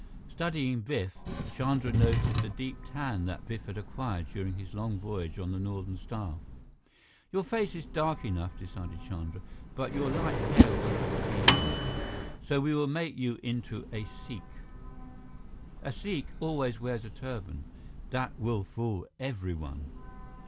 Studying Biff, Chandra noted the deep tan that Biff had acquired during his long voyage on the Northern Star. "Your face is dark enough," decided Chandra, "but your light hair will have to be hidden. So we will make you into a Sikh. A Sikh always wears a turban. That will fool everyone."